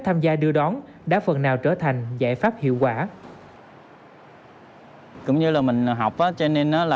tham gia đưa đón đã phần nào trở thành giải pháp hiệu quả